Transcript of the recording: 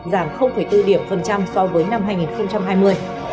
giảm bốn điểm phần trăm so với năm hai nghìn hai mươi